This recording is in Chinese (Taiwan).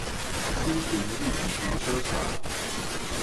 新平立體停車場